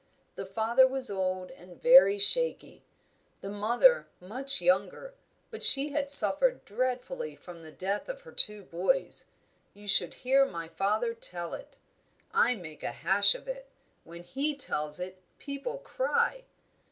The father was old and very shaky; the mother much younger, but she had suffered dreadfully from the death of her two boys you should hear my father tell it! I make a hash of it; when he tells it people cry.